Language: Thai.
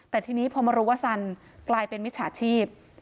แต่ทีนี้พอมารู้ว่าซันกลายเป็นมิจฉาชีพ